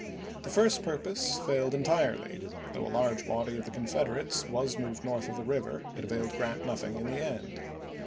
The first purpose failed entirely ; though a large body of the Confederates was moved north of the river it availed Grant nothing in the end.